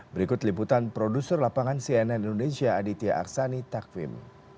berikut liputan produser lapangan cnn indonesia aditya aksani takvim